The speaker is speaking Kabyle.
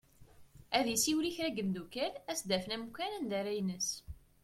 Ad isiwel i kra n yimddukal ad as-d-afen amkan anda ara ines.